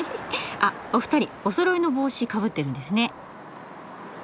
あっお二人おそろいの帽子かぶってるんですね。